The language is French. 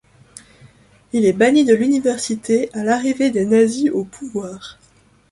Il est banni de l'université à l'arrivée des nazis au pouvoir.